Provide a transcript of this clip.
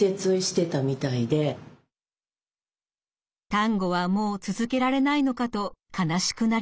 タンゴはもう続けられないのかと悲しくなりました。